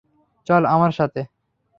চল আমার সাথে।